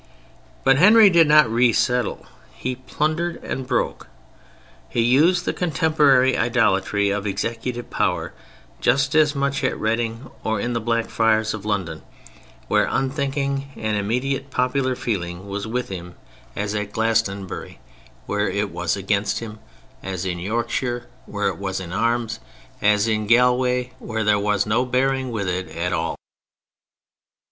But Henry did not re settle. He plundered and broke. He used the contemporary idolatry of executive power just as much at Reading or in the Blackfriars of London, where unthinking and immediate popular feeling was with him, as at Glastonbury where it was against him, as in Yorkshire where it was in arms, as in Galway where there was no bearing with it at all.